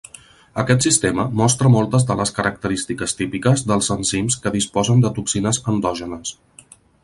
Aquest sistema mostra moltes de les característiques típiques dels enzims que disposen de toxines endògenes.